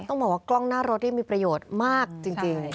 ต้องบอกว่ากล้องหน้ารถนี่มีประโยชน์มากจริง